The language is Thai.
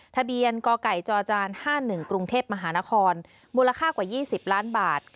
ทะเบียนกไก่จจ๕๑กรุงเทพมหานครมูลค่ากว่า๒๐ล้านบาท